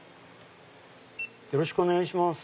よろしくお願いします。